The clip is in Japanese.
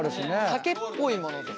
竹っぽいものとか。